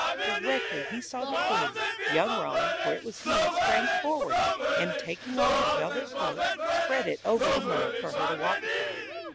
Directly he saw the queen, young Raleigh, for it was he, sprang forward, and, taking off his velvet cloak, spread it over the mud for her to walk upon.